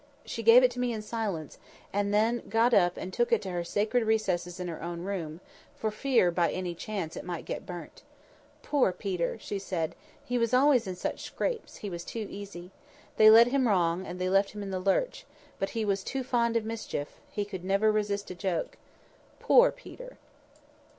She gave it to me in silence, and then got up and took it to her sacred recesses in her own room, for fear, by any chance, it might get burnt. "Poor Peter!" she said; "he was always in scrapes; he was too easy. They led him wrong, and then left him in the lurch. But he was too fond of mischief. He could never resist a joke. Poor Peter!"